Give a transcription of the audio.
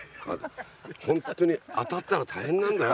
ホントに当たったら大変なんだよ？